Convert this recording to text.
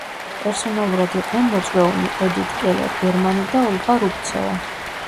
პერსონალურად იყვნენ მოწვეულნი: ედიტ კელერ-გერმანი და ოლღა რუბცოვა.